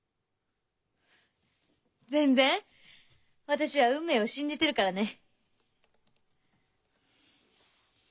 私は運命を信じてるからね。